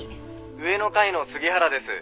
「上の階の杉原です」